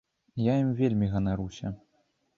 Я ім вельмі ганаруся.